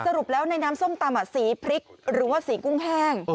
สรุปแล้วในน้ำส้มตำสีพริกหรือว่าสีกุ้งแห้ง